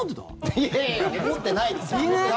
いやいや思ってないですよ。